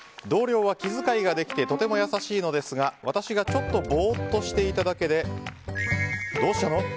同僚は気遣いができてとても優しいのですが私がちょっとボーッとしていただけでどうしたの？